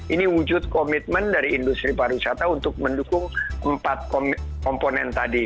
ini wujud komitmen dari industri pariwisata untuk mendukung empat komponen tadi